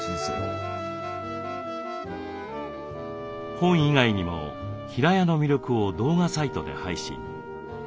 本以外にも平屋の魅力を動画サイトで配信。